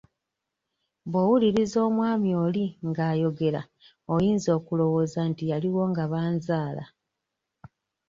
Bw'owuliriza omwami oli nga ayogera oyinza okulowooza nti yaliwo nga banzaala.